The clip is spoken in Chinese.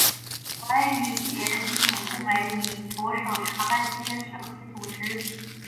国安与检警部门已着手查办这些涉黑组织。